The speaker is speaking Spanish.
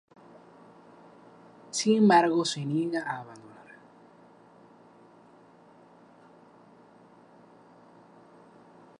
Sin embargo se niega a abandonar.